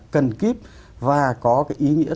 cần kíp và có cái ý nghĩa